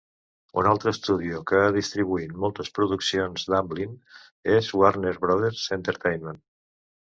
Un altre estudio que ha distribuït moltes produccions d"Amblin és Warner Brothers Entertainment.